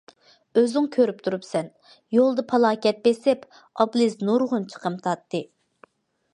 ئۆزۈڭ كۆرۈپ تۇرۇپسەن، يولدا پالاكەت بېسىپ، ئابلىز نۇرغۇن چىقىم تارتتى.